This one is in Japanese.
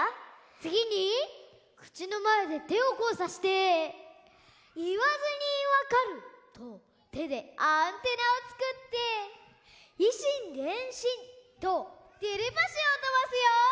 つぎにくちのまえでてをこうさして「言わずにわかる」とてでアンテナをつくって「以心伝心」とテレパシーをとばすよ！